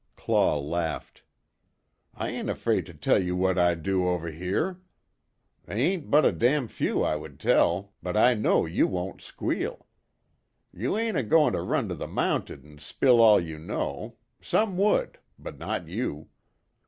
Claw laughed: "I hain't afraid to tell you what I do over here. They hain't but damn few I would tell, but I know you won't squeal. You hain't a goin' to run to the Mounted an' spill all you know some would but not you.